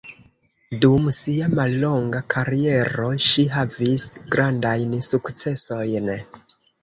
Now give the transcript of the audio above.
Dum sia mallonga kariero ŝi havis grandajn sukcesojn.